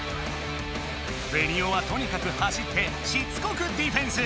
ベニオはとにかく走ってしつこくディフェンス！